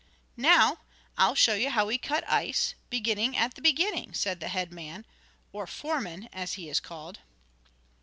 "Now, I'll show you how we cut ice, beginning at the beginning," said the head man, or foreman, as he is called.